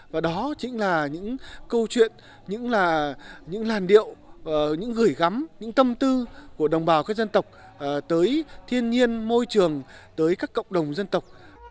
và đó chính là những câu chuyện những là những làn điệu những gửi gắm những tâm tư của đồng bào các dân tộc tới thiên nhiên môi trường tới các cộng đồng dân tộc